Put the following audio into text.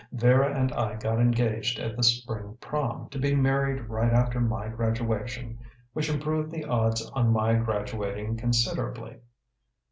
Vera and I got engaged at the spring prom to be married right after my graduation which improved the odds on my graduating considerably.